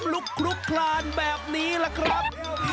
ลุกคลุกคลานแบบนี้ล่ะครับ